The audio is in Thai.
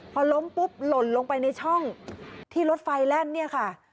พอล้มปุ๊บหล่นลงไปในช่องที่รถไฟแล่นเนี่ยค่ะ